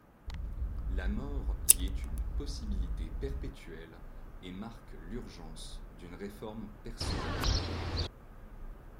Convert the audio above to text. La mort y est une possibilité perpétuelle et marque l’urgence d’une réforme personnelle.